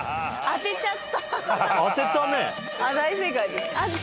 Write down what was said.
当てちゃった。